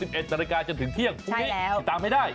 ๑นาฬิกาจนถึงเที่ยงพรุ่งนี้ติดตามให้ได้